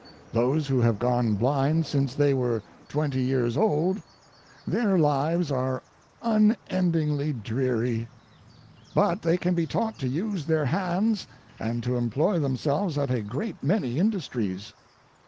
Those who have gone blind since they were twenty years old—their lives are unendingly dreary. But they can be taught to use their hands and to employ themselves at a great many industries.